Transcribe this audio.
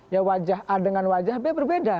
ya wajah a dengan wajah b berbeda